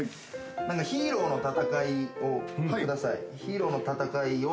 ヒーローの戦いを下さい。